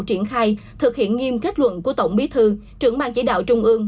triển khai thực hiện nghiêm kết luận của tổng bí thư trưởng ban chỉ đạo trung ương